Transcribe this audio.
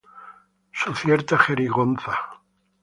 Su cierta jerigonza